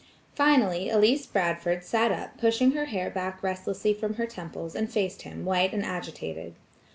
Finally Elsie Bradford sat up pushing her hair back restlessly from her temples, and faced him white and agitated.